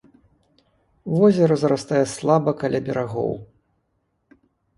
Возера зарастае слаба каля берагоў.